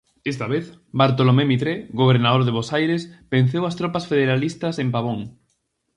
Esta vez, Bartolomé Mitre, gobernador de Bos Aires, venceu as tropas federalistas en Pavón.